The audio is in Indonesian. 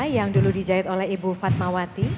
yang dulu dijahit oleh ibu fatmawati